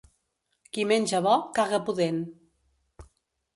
Qui menja bo, caga pudent.